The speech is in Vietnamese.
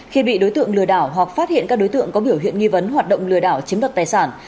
khi bị đối tượng lừa đảo hoặc phát hiện các đối tượng có biểu hiện nghi vấn hoạt động lừa đảo chiếm đoạt tài sản